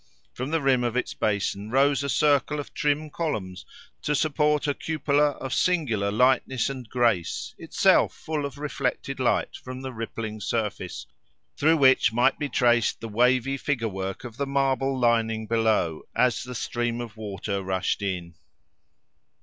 From the rim of its basin rose a circle of trim columns to support a cupola of singular lightness and grace, itself full of reflected light from the rippling surface, through which might be traced the wavy figure work of the marble lining below as the stream of water rushed in.